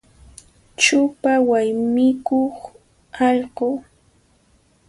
Chupa waymikuq allqu.